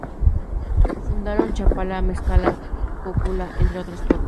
Fundaron Chapala, Mezcala, Cocula, entre otros pueblos.